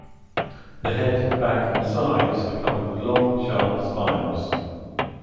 The head, back and sides are covered with long, sharp spines.